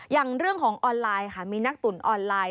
อย่างเรื่องของออนไลน์ค่ะมีนักตุ๋นออนไลน์